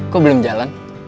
kok belum jalan